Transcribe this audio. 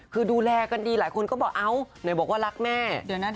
คือดูแลกันดีหลายคนก็บอกเอ้าไหนบอกว่ารักแม่